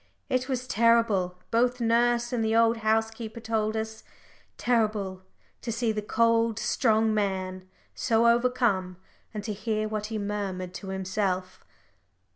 It was terrible, both nurse and the old housekeeper told us terrible to see the cold, strong man so overcome, and to hear what he murmured to himself.